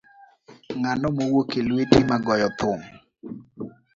Ngano mowuok e lueti magoyo thum.